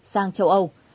sang châu âu